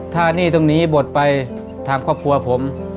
ถ้าหนี้ตรงนี้หมดไปทางครอบครัวผม